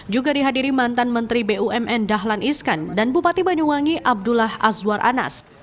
juga dihadiri mantan menteri bumn dahlan iskan dan bupati banyuwangi abdullah azwar anas